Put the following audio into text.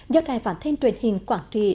do đài phản thêm truyền hình quản trị